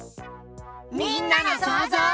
みんなのそうぞう。